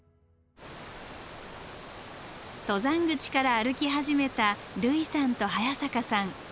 登山口から歩き始めた類さんと早坂さん。